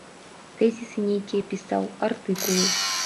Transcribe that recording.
Тэзісы нейкія пісаў, артыкулы.